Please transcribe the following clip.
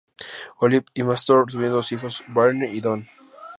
Olive y Marston tuvieron dos hijos, Byrne y Donn.